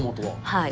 はい。